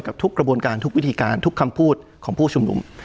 ทุกกระบวนการทุกวิธีการทุกคำพูดของผู้ชุมนุม